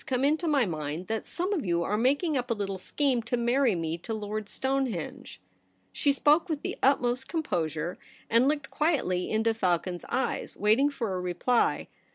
come Into my mind that some of you are making up a little scheme to marry me to Lord Stonehenge ?' She spoke with the utmost composure, and looked quietly into Falcon's eyes, waiting for a reply.